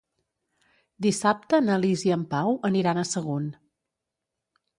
Dissabte na Lis i en Pau aniran a Sagunt.